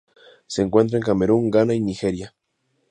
Se encuentra en Camerún, Ghana y Nigeria.